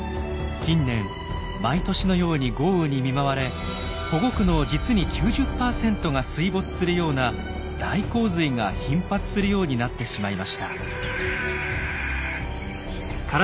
近年毎年のように豪雨に見舞われ保護区の実に９０％が水没するような大洪水が頻発するようになってしまいました。